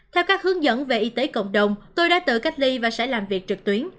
theo các hướng dẫn về y tế cộng đồng tôi đã tự cách ly và sẽ làm việc trực tuyến